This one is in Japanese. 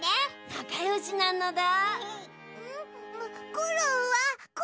なかよし！なのだ。